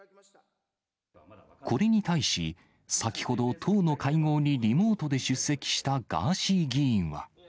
これに対し、先ほど党の会合にリモートで出席したガーシー議員は。